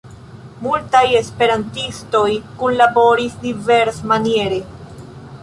Multaj esperantistoj kunlaboris diversmaniere.